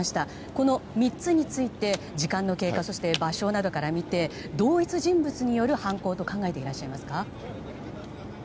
この３つについて、時間の経過そして、場所などから見て同一人物による犯行と考えていらっしゃいますか？